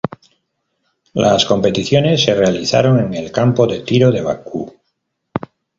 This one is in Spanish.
Las competiciones se realizaron en el Campo de Tiro de Bakú.